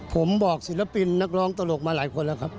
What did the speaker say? ผมบอกศิลปินนักร้องตลกมาหลายคนแล้วครับ